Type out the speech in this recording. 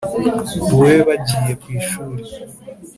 bube bagiye ku ishuri